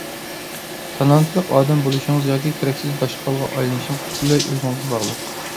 تالانتلىق ئادەم بولۇشىڭىز ياكى كېرەكسىز داشقالغا ئايلىنىشىڭىز پۈتۈنلەي ئۆزىڭىزگە باغلىق.